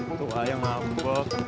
itu aja ngambek